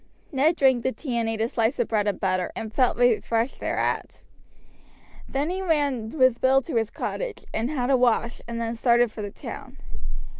Ned drank the tea and ate a slice of bread and butter, and felt refreshed thereat. Then he ran with Bill to his cottage and had a wash, and then started for the town.